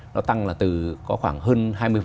nó tăng là từ có khoảng hơn hai mươi